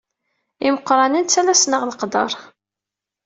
Imeqranen ttalasen-aɣ leqder.